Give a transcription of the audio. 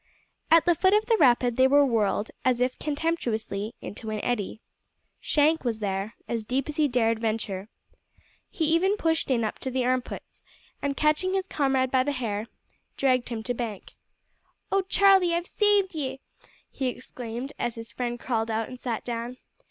At the foot of the rapid they were whirled, as if contemptuously, into an eddy. Shank was there, as deep as he dared venture. He even pushed in up to the arm pits, and, catching his comrade by the hair, dragged him to bank. "O Charlie, I've saved ye!" he exclaimed, as his friend crawled out and sat down.